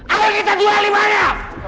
lo mau kita duel dimana